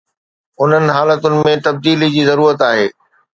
انهن حالتن ۾ تبديلي جي ضرورت آهي.